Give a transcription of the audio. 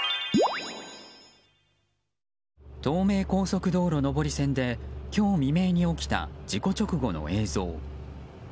東名高速道路上り線で今日未明に起きた事故直後の映像。